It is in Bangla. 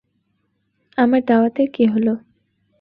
আমার দাওয়াতের কি হলো?